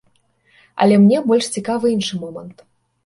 Але мне больш цікавы іншы момант.